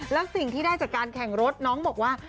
แล้วสิ่งที่ได้จากการแข่งรถน้องบอกว่า